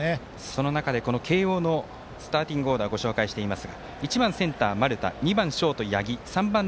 その中で慶応のスターティングオーダーご紹介します。